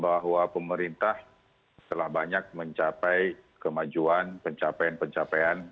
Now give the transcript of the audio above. bahwa pemerintah telah banyak mencapai kemajuan pencapaian pencapaian